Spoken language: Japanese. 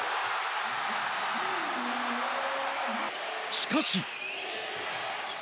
しかし。